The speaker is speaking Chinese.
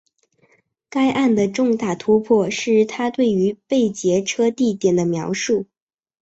该案的重大突破是她对于被劫车地点的描述。